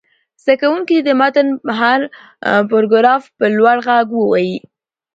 زده کوونکي دې د متن هر پراګراف په لوړ غږ ووايي.